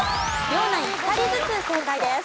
両ナイン２人ずつ正解です。